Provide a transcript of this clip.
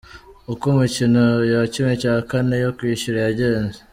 Uko imikino ya ¼ yo kwishyura yagenze.